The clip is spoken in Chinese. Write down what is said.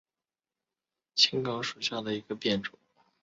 睦边青冈为壳斗科青冈属下的一个变种。